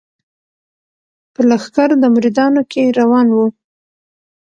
په لښکر د مریدانو کي روان وو